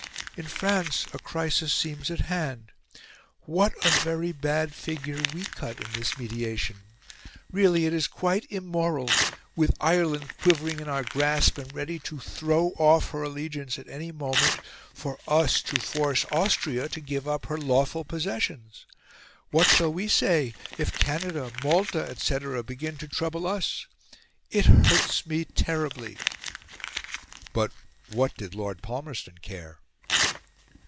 In France a crisis seems at hand. WHAT a very bad figure we cut in this mediation! Really it is quite immoral, with Ireland quivering in our grasp and ready to throw off her allegiance at any moment, for us to force Austria to give up her lawful possessions. What shall we say if Canada, Malta, etc., begin to trouble us? It hurts me terribly." But what did Lord Palmerston care?